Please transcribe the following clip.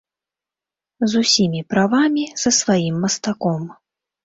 З усімі правамі, са сваім мастаком.